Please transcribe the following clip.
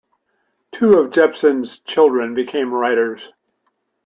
Two of Jepson's children became writers.